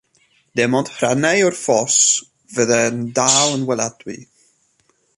Dim ond rhannau o'r ffos fyddai'n dal yn weladwy.